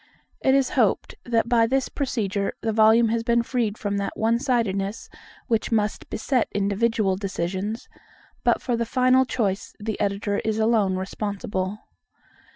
It is hoped that by this procedure the volume has been freed from that one sidedness which must beset individual decisions; but for the final choice the Editor is alone responsible.